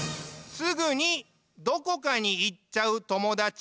すぐにどこかにいっちゃうともだち？